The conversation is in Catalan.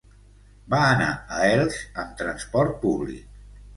Va anar a Elx amb transport públic.